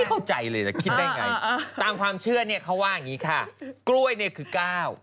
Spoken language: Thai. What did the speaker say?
เข้าใจเลยนะคิดได้ไงอ่าตามความเชื่อเนี่ยเขาว่าอย่างงี้ค่ะกล้วยเนี่ยคือก้าว